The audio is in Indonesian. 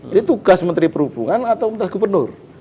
ini tugas menteri perhubungan atau menteri gubernur